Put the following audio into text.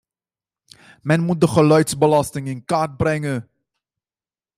Men moet de geluidsbelasting in kaart brengen.